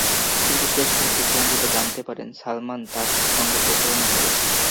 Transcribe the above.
কিন্তু শেষ মুহূর্তে সংগীতা জানতে পারেন, সালমান তাঁর সঙ্গে প্রতারণা করেছেন।